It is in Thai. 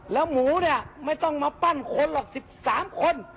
แล้วหมูเนี่ยไม่ต้องมาปั้นคนหรอก๑๓คน